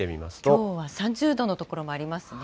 きょうは３０度の所もありますね。